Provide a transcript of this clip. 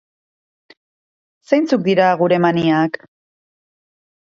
Zeintzuk dira gure maniak?